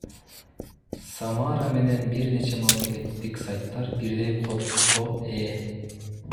Самара менен бир нече мамлекеттик сайттар бирдей кодго ээ.